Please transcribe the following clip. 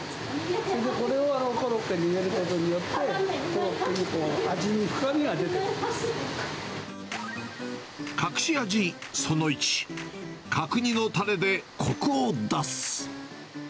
それでこれをコロッケに入れることによって、コロッケに、隠し味その１、角煮のたれでこくを出す。